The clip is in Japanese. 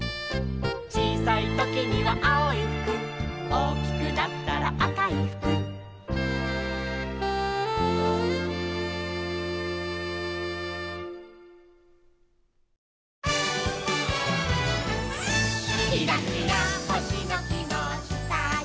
「ちいさいときにはあおいふく」「おおきくなったらあかいふく」「キラキラホシノキのしたに」